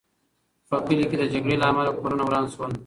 په کلي کې د جګړې له امله کورونه وران شول.